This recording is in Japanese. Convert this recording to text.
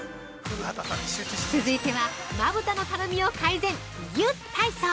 ◆続いてはまぶたのたるみを改善ギュッ体操。